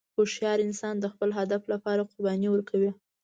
هوښیار انسان د خپل هدف لپاره قرباني ورکوي.